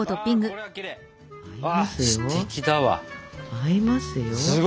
合いますよ。